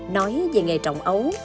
nói về nghề trồng ấu